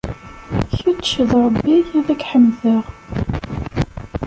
Kečč, d Rebbi, ad k-ḥemdeɣ.